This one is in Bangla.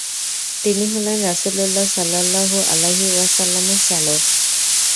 তিনি হলেন রাসূলুল্লাহ সাল্লাল্লাহু আলাইহি ওয়াসাল্লামের শ্যালক।